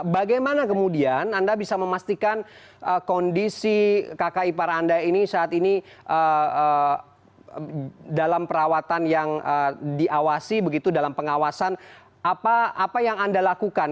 bagaimana kemudian anda bisa memastikan kondisi kakak ipar anda ini saat ini dalam perawatan yang diawasi begitu dalam pengawasan apa yang anda lakukan